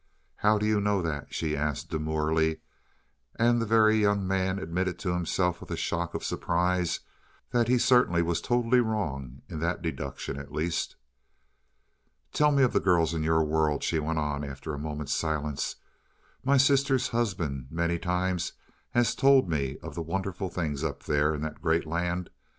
"How do you know that?" she asked demurely; and the Very Young Man admitted to himself with a shock of surprise that he certainly was totally wrong in that deduction at least. "Tell me of the girls in your world," she went on after a moment's silence. "My sister's husband many times he has told me of the wonderful things up there in that great land.